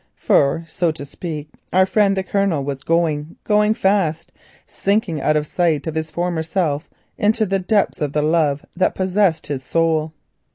For to speak the truth, our friend the Colonel was going, going fast—sinking out of sight of his former self into the depths of the love that possessed his soul.